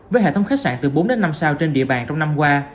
với hệ thống khách sạn từ bốn đến năm sao trên địa bàn trong năm qua